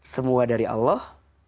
semua dari allah